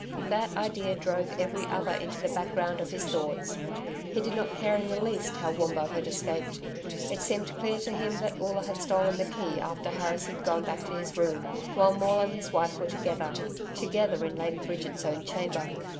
That idea drove every other into the background of his thoughts. He did not care in the least how Wombo had escaped. It seemed clear to him that Oola had stolen the key after Harris had gone back to his room, while Maule and his wife were together together in Lady Bridget's own chamber.